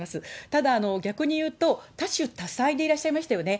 ただ、逆に言うと、多種多彩でいらっしゃいましたよね。